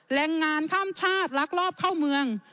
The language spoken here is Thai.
แรงงานข้ามชาติลักลอบเข้าเมือง